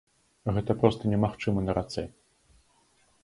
Гэта проста немагчыма на рацэ.